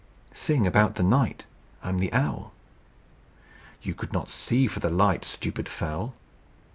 "Sing about the night; I'm the Owl." "You could not see for the light, Stupid fowl."